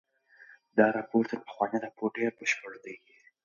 دا راپور تر پخواني راپور ډېر بشپړ دی.